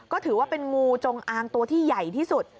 ก็ถือว่าเป็นงูจงอางตัวที่ใหญ่ที่สุด